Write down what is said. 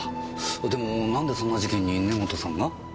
でもなんでそんな事件に根元さんが？